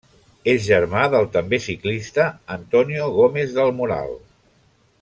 És germà del també ciclista Antonio Gómez del Moral.